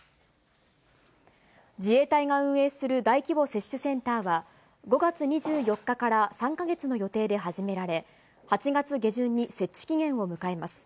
自衛隊が運営する大規模接種センターは、５月２４日から３か月の予定で始められ、８月下旬に設置期限を迎えます。